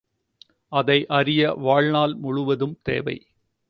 அதை அறிய வாழ்நாள் முழுவதும் தேவை.